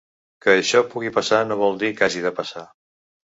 Que això pugui passar no vol dir que hagi de passar.